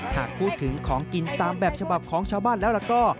หากพูดถึงของกินตามแบบฉบับของชาวบ้านแล้วก็